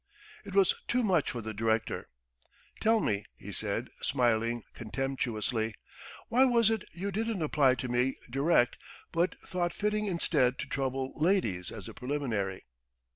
It was too much for the director. "Tell me," he said, smiling contemptuously, "why was it you didn't apply to me direct but thought fitting instead to trouble ladies as a preliminary?"